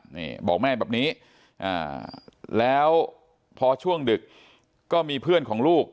นี่บอกแม่แบบนี้แล้วพอช่วงดึกก็มีเพื่อนของลูก